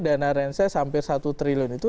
dana rencay sampai satu triliun itu